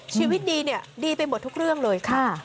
ชีวิตดีเนี่ยดีไปหมดทุกเรื่องเลยค่ะ